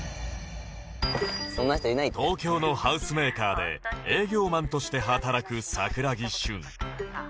東京のハウスメーカーで営業マンとして働く桜木舜